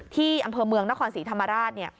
ที่อำเภอเมืองนครศรีธรรมราช